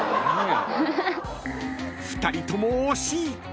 ［２人とも惜しい！